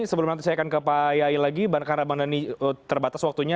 sebelum nanti saya akan ke pak yai lagi karena bang dhani terbatas waktunya